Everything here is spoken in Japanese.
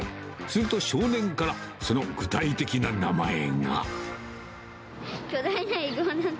すると少年から、その具体的な名前が。